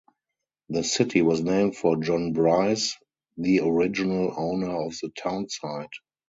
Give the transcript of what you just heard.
The city was named for John Brice, the original owner of the town site.